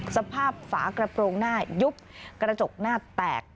สภาพฝากระโปรงหน้ายุบกระจกหน้าแตก